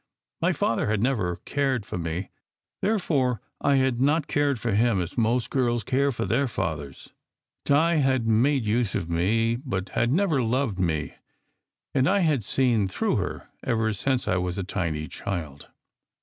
My father had never cared for me, therefore I had not cared for him as most girls care for their fathers. Di had made use of me, but had never loved me, and I had "seen through" her ever since I was SECRET HISTORY * 289 a tiny child.